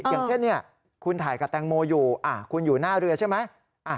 อย่างเช่นคุณถ่ายกับแตงโมอยู่คุณอยู่หน้าเรือใช่ไหม